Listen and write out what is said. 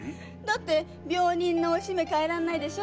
病人のおしめ替えられないでしょ？